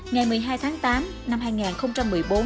ngày một mươi hai tháng tám năm hai nghìn một mươi bốn